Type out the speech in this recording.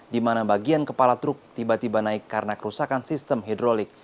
di mana bagian kepala truk tiba tiba naik karena kerusakan sistem hidrolik